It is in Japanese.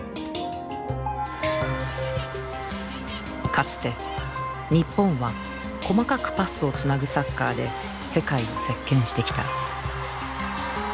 かつて日本は細かくパスをつなぐサッカーで世界を席けんしてきた。